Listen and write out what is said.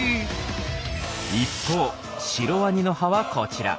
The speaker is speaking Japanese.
一方シロワニの歯はこちら。